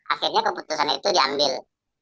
akhirnya keputusan itu diambil